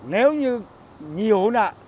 nếu như nhiều thì ạ